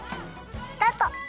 スタート！